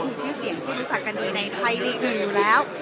มีชื่อเสียงที่รู้จักกันดีในไทยลีก๑อยู่แล้ว